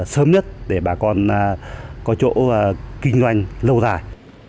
sớm nhất để bà con có chỗ kinh doanh lâu dài